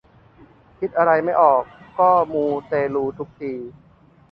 คิดอะไรไม่ออกก็มูเตลูทุกที